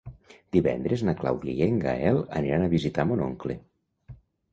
Divendres na Clàudia i en Gaël aniran a visitar mon oncle.